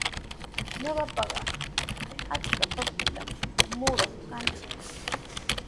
Ñawpaqa achka papatami muruq kanchik.